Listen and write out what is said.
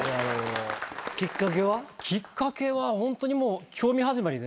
きっかけはホントにもう興味始まりで。